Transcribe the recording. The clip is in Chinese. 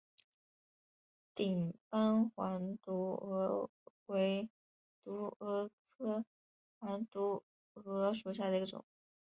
顶斑黄毒蛾为毒蛾科黄毒蛾属下的一个种。